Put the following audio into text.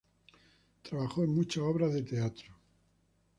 Trabajó en muchas obras de teatro.